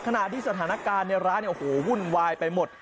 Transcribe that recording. ขณะที่สถานการณ์ร้านหุ้นวายไปหมด